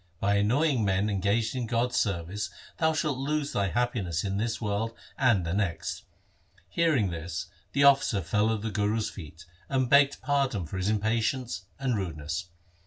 By annoying men engaged in God's service thou shalt lose thy happiness in this world and the next.' Hearing this the officer fell at the Guru's feet, and begged pardon for his impatience and rudeness.